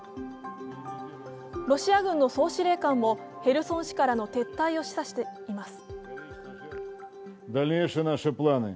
ロシア軍の総司令官も、ヘルソン市からの撤退を示唆しています。